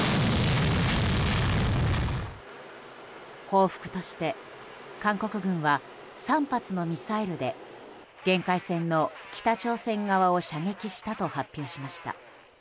報復として、韓国軍は３発のミサイルで限界線の北朝鮮側を射撃したと発表しました。